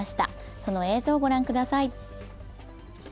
その映像を御覧ください。